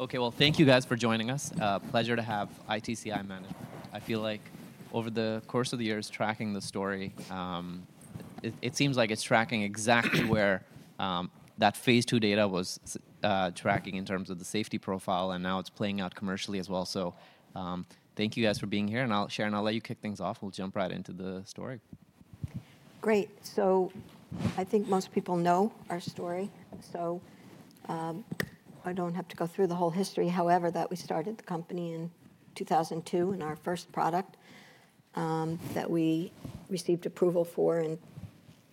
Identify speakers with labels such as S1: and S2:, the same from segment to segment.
S1: Okay, well, thank you guys for joining us. Pleasure to have ITCI management. I feel like, over the course of the years, tracking the story, it seems like it's tracking exactly where that Phase II data was, tracking in terms of the safety profile, and now it's playing out commercially as well. So, thank you guys for being here, and I'll, Sharon, I'll let you kick things off. We'll jump right into the story.
S2: Great. So, I think most people know our story. So, I don't have to go through the whole history. However, that we started the company in 2002, and our first product, that we received approval for in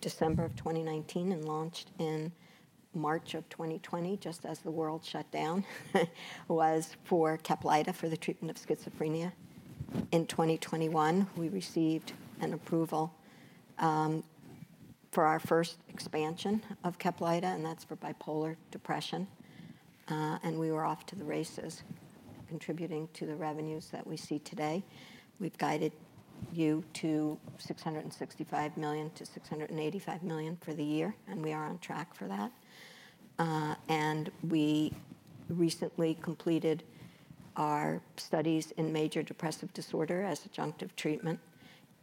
S2: December of 2019, and launched in March of 2020, just as the world shut down, was for Caplyta for the treatment of schizophrenia. In 2021, we received an approval, for our first expansion of Caplyta, and that's for bipolar depression. And we were off to the races, contributing to the revenues that we see today. We've guided you to $665 million-$685 million for the year, and we are on track for that. And we recently completed our studies in major depressive disorder as adjunctive treatment,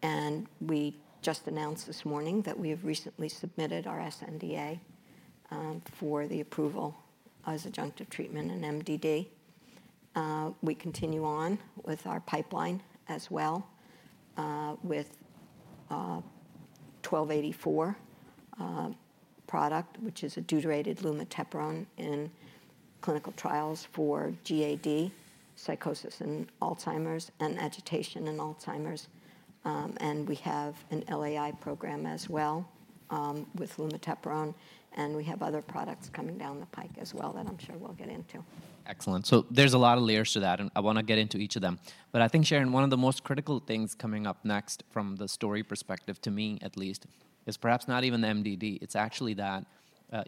S2: and we just announced this morning that we have recently submitted our sNDA, for the approval as adjunctive treatment in MDD. We continue on with our pipeline as well, with 1284 product, which is a deuterated lumateperone in clinical trials for GAD, psychosis in Alzheimer's, and agitation in Alzheimer's, and we have an LAI program as well, with lumateperone, and we have other products coming down the pike as well that I'm sure we'll get into. Excellent. So, there's a lot of layers to that, and I want to get into each of them, but I think, Sharon, one of the most critical things coming up next from the story perspective, to me at least, is perhaps not even the MDD. It's actually that,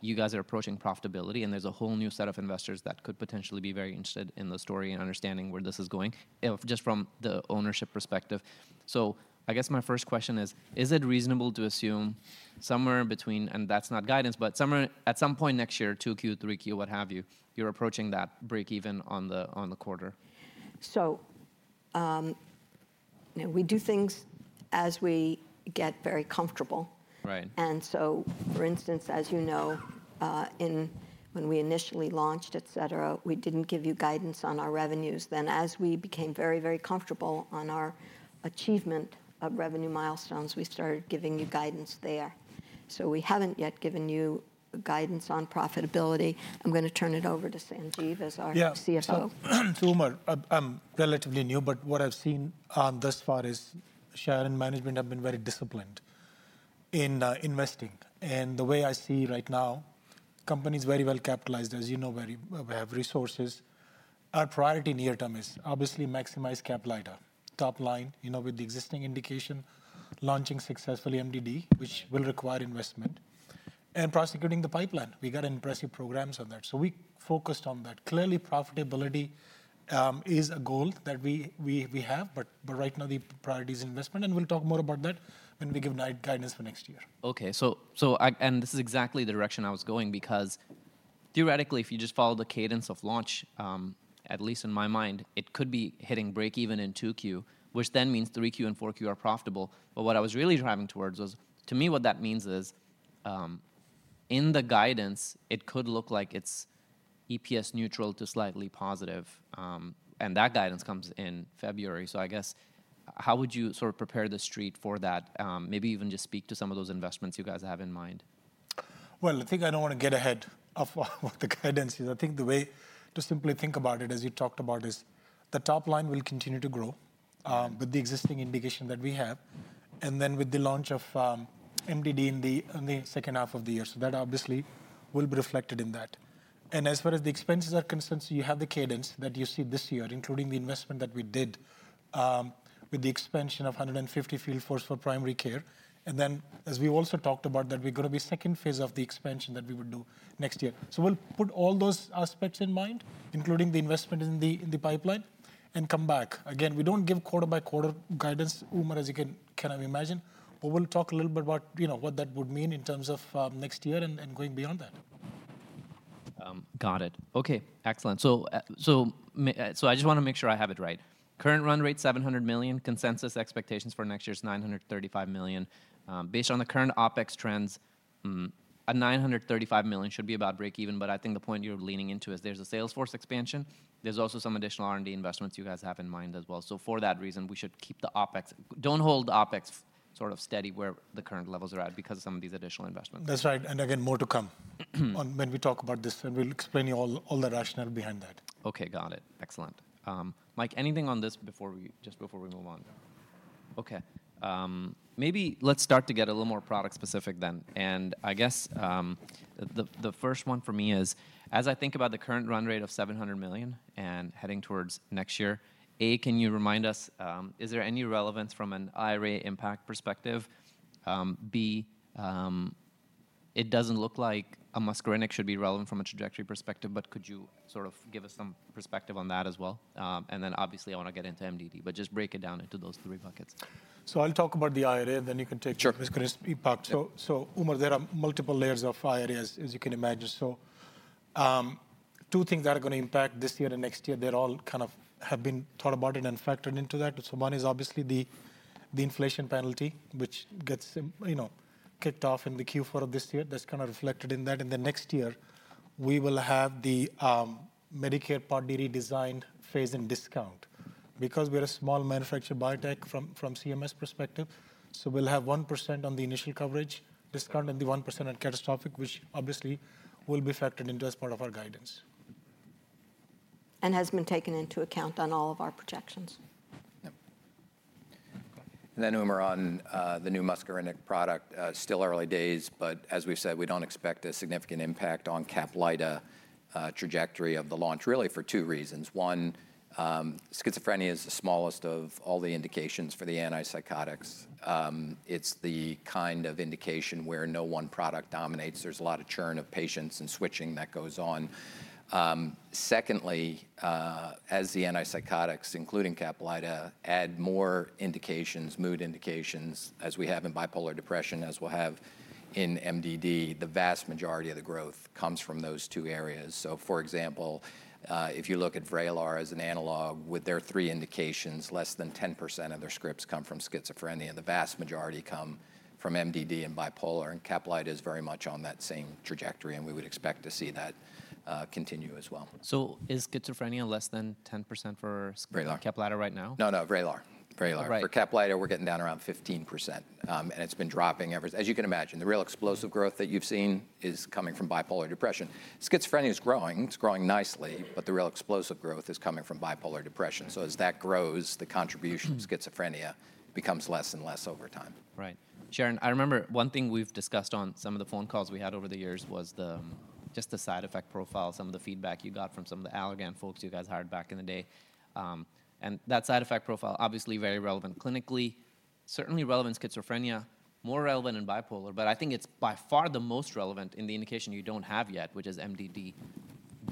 S2: you guys are approaching profitability, and there's a whole new set of investors that could potentially be very interested in the story and understanding where this is going, if just from the ownership perspective, so I guess my first question is, is it reasonable to assume somewhere between, and that's not guidance, but somewhere at some point next year, 2Q, 3Q, what have you, you're approaching that break-even on the quarter? So, you know, we do things as we get very comfortable. Right. And so, for instance, as you know, when we initially launched, etc., we didn't give you guidance on our revenues. Then, as we became very, very comfortable on our achievement of revenue milestones, we started giving you guidance there. So, we haven't yet given you guidance on profitability. I'm going to turn it over to Sanjeev as our CFO.
S3: Yeah. So, Umar, I'm relatively new, but what I've seen thus far is Sharon, management have been very disciplined in investing. And the way I see right now, the company's very well capitalized, as you know. We have resources. Our priority near-term is obviously maximize Caplyta top line, you know, with the existing indication, launching successfully MDD, which will require investment, and prosecuting the pipeline. We got impressive programs on that. So, we focused on that. Clearly, profitability is a goal that we have, but right now the priority is investment, and we'll talk more about that when we give guidance for next year. Okay. So, and this is exactly the direction I was going, because theoretically, if you just follow the cadence of launch, at least in my mind, it could be hitting break-even in 2Q, which then means 3Q and 4Q are profitable. But what I was really driving towards was, to me, what that means is, in the guidance, it could look like it's EPS neutral to slightly positive, and that guidance comes in February. So, I guess, how would you sort of prepare the street for that? Maybe even just speak to some of those investments you guys have in mind. I think I don't want to get ahead of what the guidance is. I think the way to simply think about it, as you talked about, is the top line will continue to grow, with the existing indication that we have, and then with the launch of MDD in the second half of the year. That obviously will be reflected in that. And as far as the expenses are concerned, you have the cadence that you see this year, including the investment that we did, with the expansion of 150 field force for primary care. And then, as we also talked about, that we're going to be second phase of the expansion that we would do next year. We'll put all those aspects in mind, including the investment in the pipeline, and come back. Again, we don't give quarter-by-quarter guidance, Umar, as you can imagine. But we'll talk a little bit about, you know, what that would mean in terms of next year and going beyond that. Got it. Okay. Excellent. So I just want to make sure I have it right. Current run rate $700 million, consensus expectations for next year's $935 million. Based on the current OpEx trends, a $935 million should be about break-even, but I think the point you're leaning into is there's a sales force expansion. There's also some additional R&D investments you guys have in mind as well. So, for that reason, we should keep the OpEx, don't hold the OpEx sort of steady where the current levels are at because of some of these additional investments. That's right, and again, more to come on when we talk about this, and we'll explain to you all, the rationale behind that.
S4: Okay. Got it. Excellent. Mike, anything on this before we, just before we move on? Okay. Maybe let's start to get a little more product-specific then. And I guess, the, the first one for me is, as I think about the current run rate of $700 million and heading towards next year, A, can you remind us, is there any relevance from an IRA impact perspective? B, it doesn't look like a muscarinic should be relevant from a trajectory perspective, but could you sort of give us some perspective on that as well? And then obviously I want to get into MDD, but just break it down into those three buckets.
S3: So, I'll talk about the IRA, and then you can take it. Sure. Umar, there are multiple layers of IRA, as you can imagine. Two things that are going to impact this year and next year, they're all kind of have been thought about and factored into that. One is obviously the inflation penalty, which gets, you know, kicked off in the Q4 of this year. That's kind of reflected in that. And then next year, we will have the Medicare Part D redesign phase and discount, because we're a small manufacturer biotech from CMS perspective. We'll have 1% on the initial coverage discount and the 1% on catastrophic, which obviously will be factored into as part of our guidance.
S2: And has been taken into account on all of our projections.
S4: Yep. And then, Umar, on the new muscarinic product, still early days, but as we've said, we don't expect a significant impact on Caplyta trajectory of the launch, really for two reasons. One, schizophrenia is the smallest of all the indications for the antipsychotics. It's the kind of indication where no one product dominates. There's a lot of churn of patients and switching that goes on. Secondly, as the antipsychotics, including Caplyta, add more indications, mood indications, as we have in bipolar depression, as we'll have in MDD, the vast majority of the growth comes from those two areas. So, for example, if you look at Vraylar as an analog, with their three indications, less than 10% of their scripts come from schizophrenia. The vast majority come from MDD and bipolar, and Caplyta is very much on that same trajectory, and we would expect to see that continue as well. So, is schizophrenia less than 10% for Caplyta right now? No, no, Vraylar. Vraylar. For Caplyta, we're getting down around 15%. And it's been dropping ever, as you can imagine. The real explosive growth that you've seen is coming from bipolar depression. Schizophrenia is growing. It's growing nicely, but the real explosive growth is coming from bipolar depression. So, as that grows, the contribution of schizophrenia becomes less and less over time. Right. Sharon, I remember one thing we've discussed on some of the phone calls we had over the years was the, just the side effect profile, some of the feedback you got from some of the Allergan folks you guys hired back in the day. And that side effect profile, obviously very relevant clinically, certainly relevant in schizophrenia, more relevant in bipolar, but I think it's by far the most relevant in the indication you don't have yet, which is MDD.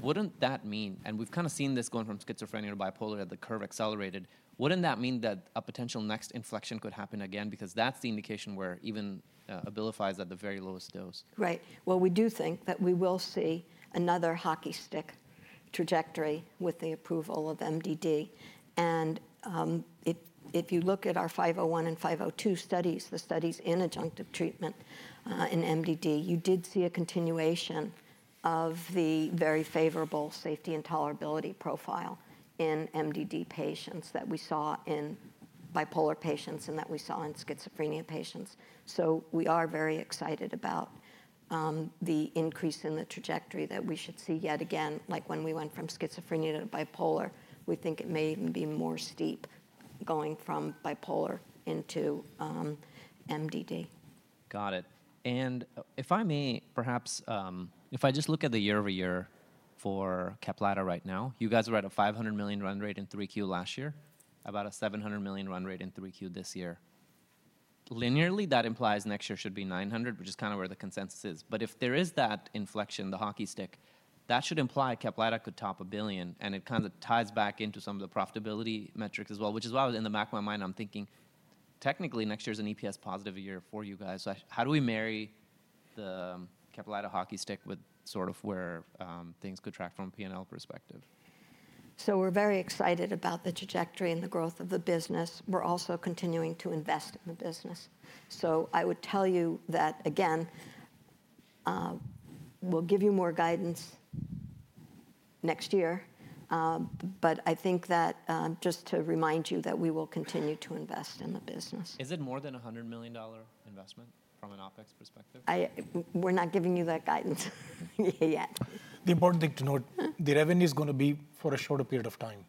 S4: Wouldn't that mean, and we've kind of seen this going from schizophrenia to bipolar at the curve accelerated, wouldn't that mean that a potential next inflection could happen again? Because that's the indication where even, Abilify is at the very lowest dose.
S2: Right. We do think that we will see another hockey stick trajectory with the approval of MDD, and if you look at our 501 and 502 studies, the studies in adjunctive treatment in MDD, you did see a continuation of the very favorable safety and tolerability profile in MDD patients that we saw in bipolar patients and that we saw in schizophrenia patients, so we are very excited about the increase in the trajectory that we should see yet again, like when we went from schizophrenia to bipolar. We think it may even be more steep going from bipolar into MDD. Got it. And if I may, perhaps, if I just look at the year-over-year for Caplyta right now, you guys were at a $500 million run rate in 3Q last year, about a $700 million run rate in 3Q this year. Linearly, that implies next year should be $900 million, which is kind of where the consensus is. But if there is that inflection, the hockey stick, that should imply Caplyta could top $1 billion, and it kind of ties back into some of the profitability metrics as well, which is why in the back of my mind, I'm thinking, technically, next year's an EPS positive year for you guys. So, how do we marry the Caplyta hockey stick with sort of where, things could track from a P&L perspective? So, we're very excited about the trajectory and the growth of the business. We're also continuing to invest in the business. So, I would tell you that, again, we'll give you more guidance next year, but I think that, just to remind you that we will continue to invest in the business. Is it more than a $100 million investment from an OpEx perspective? We're not giving you that guidance yet.
S3: The important thing to note, the revenue is going to be for a shorter period of time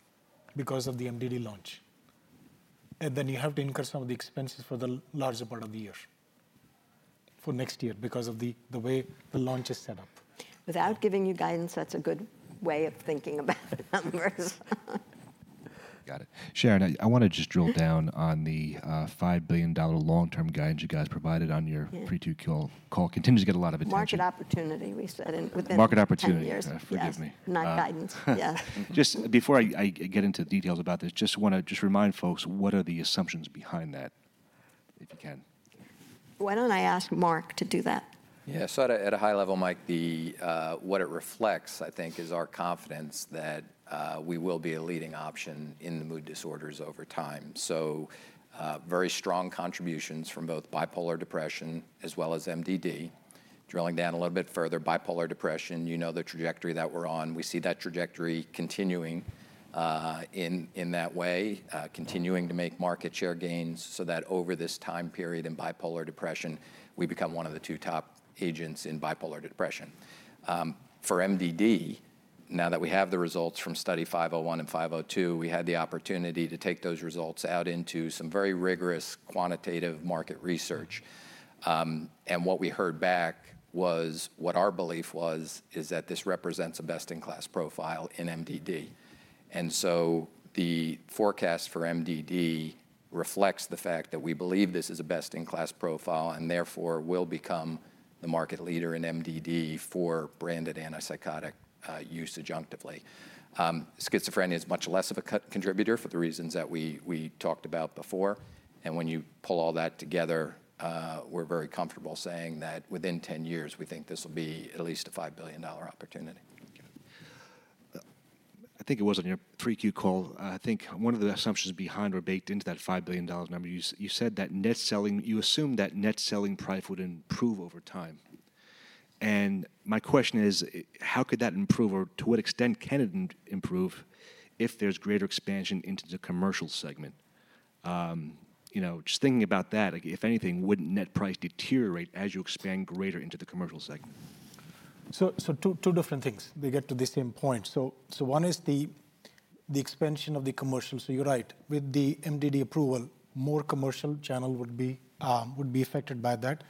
S3: because of the MDD launch. Then you have to incur some of the expenses for the larger part of the year for next year because of the way the launch is set up.
S2: Without giving you guidance, that's a good way of thinking about numbers. Got it. Sharon, I want to just drill down on the $5 billion long-term guidance you guys provided on your pre-2Q call. Continues to get a lot of attention. Market opportunity, we said within five years. Market opportunity. Forgive me. Not guidance. Yeah. Just before I get into details about this, just want to remind folks, what are the assumptions behind that, if you can? Why don't I ask Mark to do that?
S4: Yeah, so at a high level, Mike, what it reflects, I think, is our confidence that we will be a leading option in the mood disorders over time, so very strong contributions from both bipolar depression as well as MDD. Drilling down a little bit further, bipolar depression, you know the trajectory that we're on. We see that trajectory continuing in that way, continuing to make market share gains so that over this time period in bipolar depression, we become one of the two top agents in bipolar depression. For MDD, now that we have the results from Study 501 and 502, we had the opportunity to take those results out into some very rigorous quantitative market research, and what we heard back was what our belief was, is that this represents a best-in-class profile in MDD. And so, the forecast for MDD reflects the fact that we believe this is a best-in-class profile and therefore will become the market leader in MDD for branded antipsychotic, use adjunctively. Schizophrenia is much less of a contributor for the reasons that we talked about before. And when you pull all that together, we're very comfortable saying that within 10 years, we think this will be at least a $5 billion opportunity. I think it was on your pre-Q call. I think one of the assumptions behind were baked into that $5 billion number. You said that you assumed that net selling price would improve over time. And my question is, how could that improve or to what extent can it improve if there's greater expansion into the commercial segment? You know, just thinking about that, if anything, wouldn't net price deteriorate as you expand greater into the commercial segment?
S3: So two different things. They get to the same point. So one is the expansion of the commercial. So you're right. With the MDD approval, more commercial channel would be affected by that,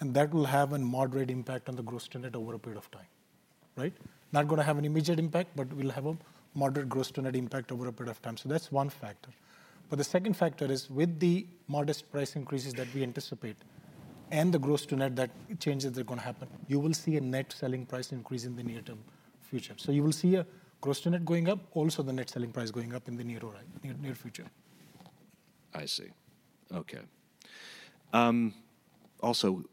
S3: and that will have a moderate impact on the gross-to-net over a period of time. Right? Not going to have an immediate impact, but we'll have a moderate gross-to-net impact over a period of time. So, that's one factor. But the second factor is with the modest price increases that we anticipate and the gross-to-net changes that are going to happen, you will see a net selling price increase in the near-term future. So, you will see a gross-to-net going up, also the net selling price going up in the near future. I see. Okay. Also,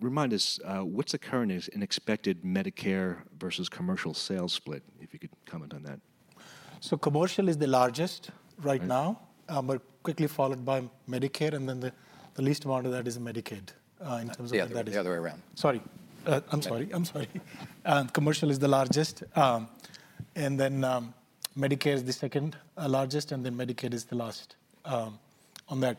S3: remind us, what's the current and expected Medicare versus commercial sales split, if you could comment on that? Commercial is the largest right now, but quickly followed by Medicare, and then the least amount of that is Medicaid, in terms of what that is. Yeah, the other way around. I'm sorry. Commercial is the largest, and then Medicare is the second largest, and then Medicaid is the last on that,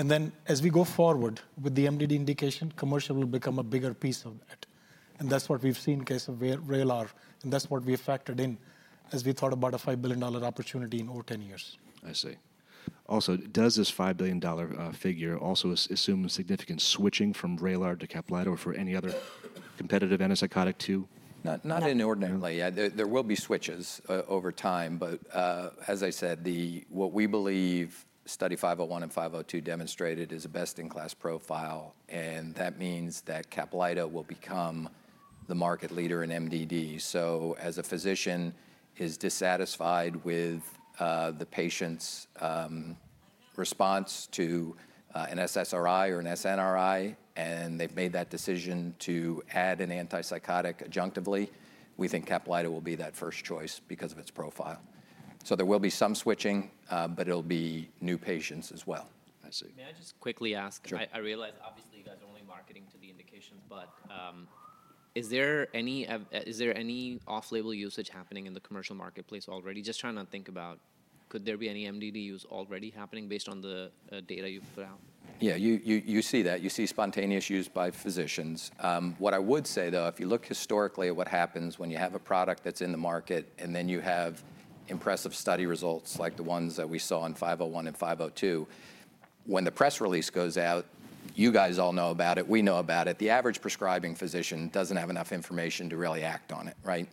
S3: and then as we go forward with the MDD indication, commercial will become a bigger piece of that, and that's what we've seen in case of Vraylar, and that's what we have factored in as we thought about a $5 billion opportunity in over 10 years. I see. Also, does this $5 billion figure also assume significant switching from Vraylar to Caplyta or for any other competitive antipsychotic too?
S4: Not, not inordinately. Yeah, there, there will be switches, over time, but, as I said, the, what we believe Study 501 and 502 demonstrated is a best-in-class profile, and that means that Caplyta will become the market leader in MDD. So, as a physician is dissatisfied with, the patient's, response to, an SSRI or an SNRI, and they've made that decision to add an antipsychotic adjunctively, we think Caplyta will be that first choice because of its profile. So, there will be some switching, but it'll be new patients as well. I see. May I just quickly ask? I realize obviously you guys are only marketing to the indications, but is there any off-label usage happening in the commercial marketplace already? Just trying to think about, could there be any MDD use already happening based on the data you've put out? Yeah, you see that. You see spontaneous use by physicians. What I would say though, if you look historically at what happens when you have a product that's in the market and then you have impressive study results like the ones that we saw in 501 and 502, when the press release goes out, you guys all know about it, we know about it, the average prescribing physician doesn't have enough information to really act on it, right?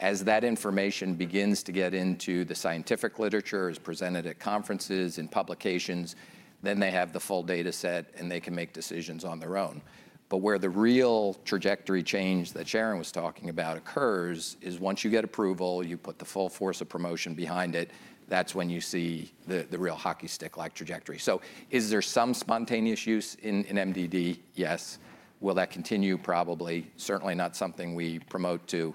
S4: As that information begins to get into the scientific literature, is presented at conferences, in publications, then they have the full data set and they can make decisions on their own. But where the real trajectory change that Sharon was talking about occurs is once you get approval, you put the full force of promotion behind it, that's when you see the real hockey stick-like trajectory. So, is there some spontaneous use in MDD? Yes. Will that continue? Probably. Certainly not something we promote to.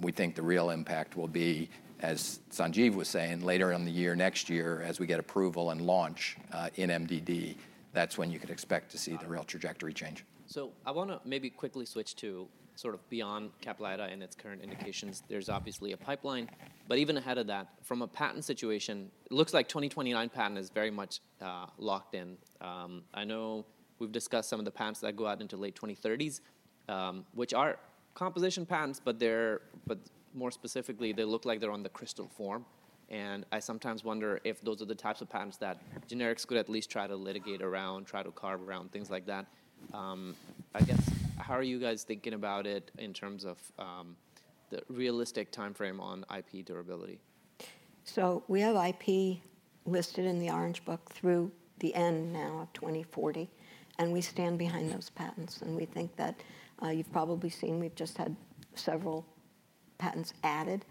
S4: We think the real impact will be, as Sanjeev was saying, later in the year, next year, as we get approval and launch, in MDD, that's when you could expect to see the real trajectory change. So, I want to maybe quickly switch to sort of beyond Caplyta and its current indications. There's obviously a pipeline, but even ahead of that, from a patent situation, it looks like 2029 patent is very much locked in. I know we've discussed some of the patents that go out into late 2030s, which are composition patents, but more specifically, they look like they're on the crystal form. And I sometimes wonder if those are the types of patents that generics could at least try to litigate around, try to carve around, things like that. I guess how are you guys thinking about it in terms of the realistic timeframe on IP durability?
S2: We have IP listed in the Orange Book through the end now of 2040, and we stand behind those patents. We think that you've probably seen we've just had several patents added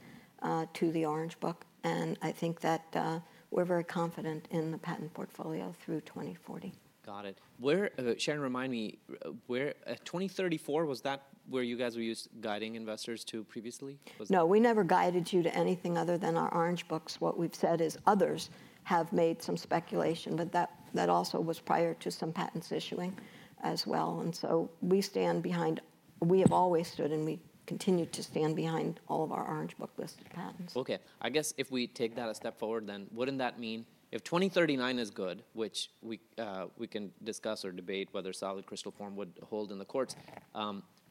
S2: to the Orange Book, and I think that we're very confident in the patent portfolio through 2040. Got it. Sharon, remind me, where at 2034 was that where you guys were you guiding investors to previously? No, we never guided you to anything other than our Orange Books. What we've said is others have made some speculation, but that also was prior to some patents issuing as well. And so, we stand behind, we have always stood and we continue to stand behind all of our Orange Book listed patents. Okay. I guess if we take that a step forward, then wouldn't that mean if 2039 is good, which we can discuss or debate whether solid crystal form would hold in the courts,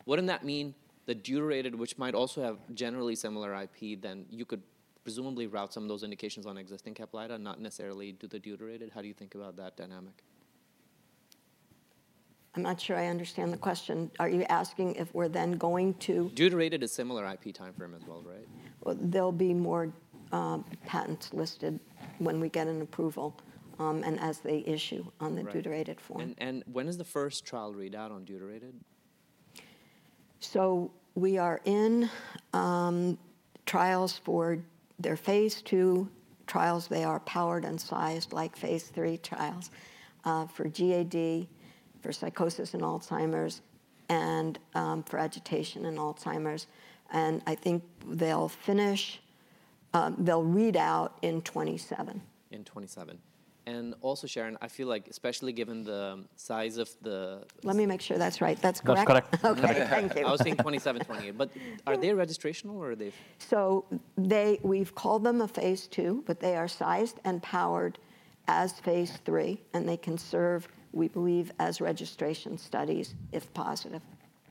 S2: wouldn't that mean the deuterated, which might also have generally similar IP, then you could presumably route some of those indications on existing Caplyta, not necessarily do the deuterated? How do you think about that dynamic? I'm not sure I understand the question. Are you asking if we're then going to? Deuterated is similar IP timeframe as well, right? There'll be more patents listed when we get an approval, and as they issue on the deuterated form. When is the first trial readout on deuterated? We are in trials for their Phase II trials. They are powered and sized like Phase III trials, for GAD, for psychosis and Alzheimer's, and for agitation and Alzheimer's. I think they'll finish. They'll read out in 2027. In 2027. And also, Sharon, I feel like, especially given the size of the. Let me make sure that's right. That's correct. That's correct. Okay. Thank you. I was thinking 2027, 2028, but are they registrational or are they? They, we've called them a Phase II, but they are sized and powered as Phase III, and they can serve, we believe, as registration studies if positive.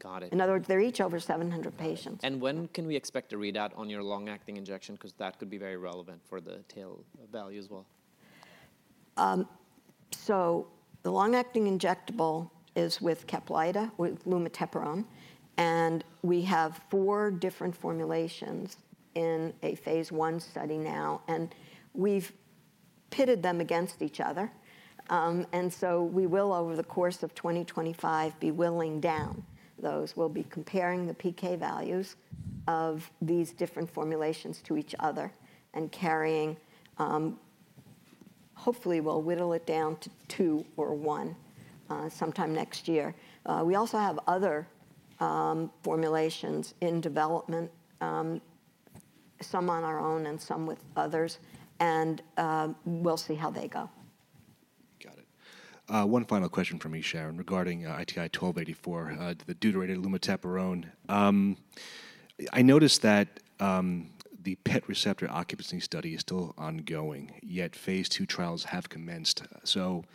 S2: Got it. In other words, they're each over 700 patients. When can we expect a readout on your long-acting injection? Because that could be very relevant for the tail value as well. The long-acting injectable is with Caplyta, with lumateperone, and we have four different formulations in a Phase I study now, and we've pitted them against each other. We will, over the course of 2025, be whittling down those. We'll be comparing the PK values of these different formulations to each other and carrying, hopefully we'll whittle it down to two or one, sometime next year. We also have other formulations in development, some on our own and some with others, and we'll see how they go. Got it. One final question for me, Sharon, regarding ITI-1284, the deuterated lumateperone. I noticed that the PET receptor occupancy study is still ongoing, yet Phase II trials have commenced. So,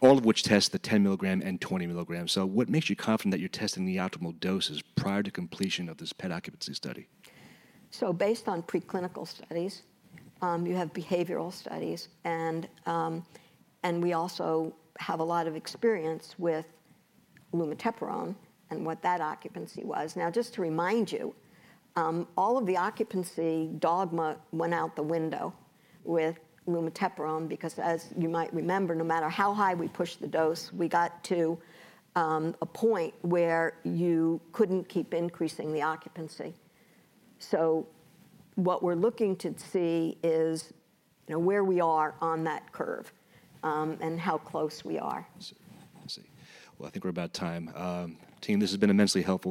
S2: all of which test the 10 milligram and 20 milligram. So, what makes you confident that you're testing the optimal doses prior to completion of this PET occupancy study? So, based on preclinical studies, you have behavioral studies, and we also have a lot of experience with lumateperone and what that occupancy was. Now, just to remind you, all of the occupancy dogma went out the window with lumateperone because, as you might remember, no matter how high we pushed the dose, we got to a point where you couldn't keep increasing the occupancy. So, what we're looking to see is, you know, where we are on that curve, and how close we are. I see. Well, I think we're about time. Team, this has been immensely helpful.